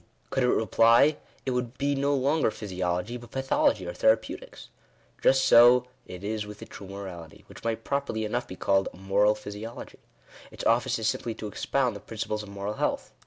Could it reply it would be no longer Physiology, but Pathology, or Therapeutics. Just so it is with a true fborality, which might properly enough be called — Moral Physiology. Its office is simply to expound the principles of moral health.